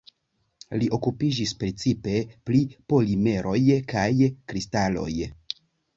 Li okupiĝis precipe pri polimeroj kaj kristaloj.